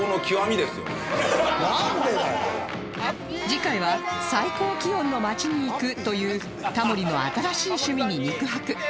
次回は最高気温の街に行くというタモリの新しい趣味に肉薄